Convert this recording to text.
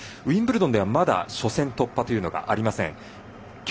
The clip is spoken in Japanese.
ウィンブルドンではまだ初戦突破というのはありません。